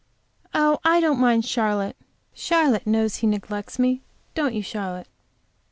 "Oh, I don't mind Charlotte. Charlotte knows he neglects me, don't you, Charlotte?"